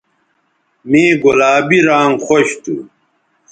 مے گلابی رانگ خوش تھو